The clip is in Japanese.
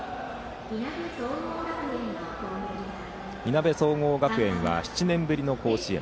いなべ総合学園は７年ぶりの甲子園。